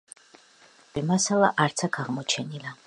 არქეოლოგიური მასალა არც აქ აღმოჩენილა.